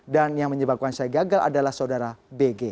dan yang menyebabkan saya gagal adalah saudara bg